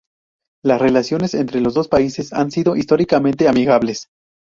Las relaciones entre estos dos países han sido históricamente amigables.